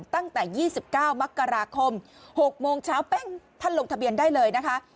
ตั้งแต่๒๙มกราคม๖โมงเช้าเป้งท่านลงทะเบียนได้เลยนะคะ